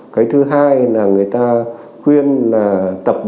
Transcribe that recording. cái thứ hai là người ta khuyên là tập